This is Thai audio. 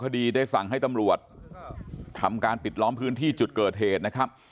ได้สั่งให้ตำรวจทำการปิดล้อมพื้นที่จุดเกิดเหตุนะครับ